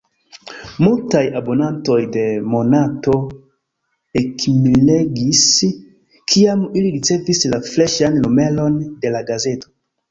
Multaj abonantoj de Monato ekmiregis, kiam ili ricevis la freŝan numeron de la gazeto.